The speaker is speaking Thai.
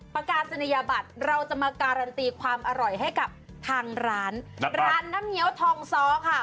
ประกาศนียบัตรเราจะมาการันตีความอร่อยให้กับทางร้านร้านน้ำเงี้ยวทองซ้อค่ะ